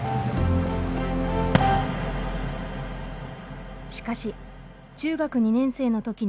しかし中学２年生の時に足を負傷。